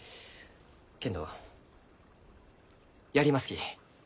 けんどやりますき。